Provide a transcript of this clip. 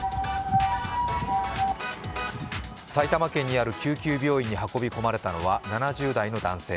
埼玉県にある救急病院に運び込まれたのは７０代の男性。